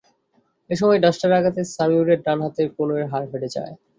এ সময় ডাস্টারের আঘাতে সামিউরের ডান হাতের কনুইয়ের হাড় ফেটে যায়।